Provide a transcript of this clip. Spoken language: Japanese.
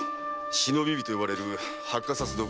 “忍び火”と呼ばれる発火させる道具だ。